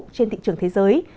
trên thị trường thế giới